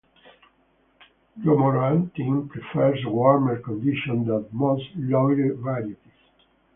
Romorantin prefers warmer conditions than most 'Loire' varieties.